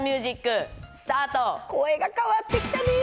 声が変わってきたね。